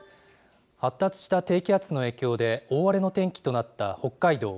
発達した低気圧の影響で、大荒れの天気となった北海道。